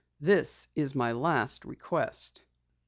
This is my last request.